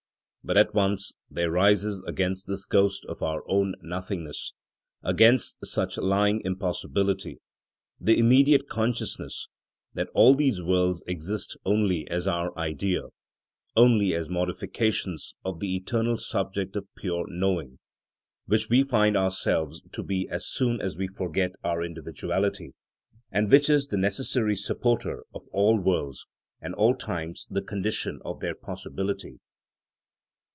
But at once there rises against this ghost of our own nothingness, against such lying impossibility, the immediate consciousness that all these worlds exist only as our idea, only as modifications of the eternal subject of pure knowing, which we find ourselves to be as soon as we forget our individuality, and which is the necessary supporter of all worlds and all times the condition of their possibility.